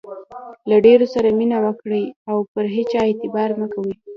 له ډېرو سره مینه وکړئ، او پر هيچا اعتبار مه کوئ!